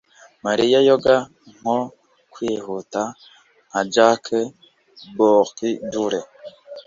Mariya yoga nko kwihuta nka Jack BahDure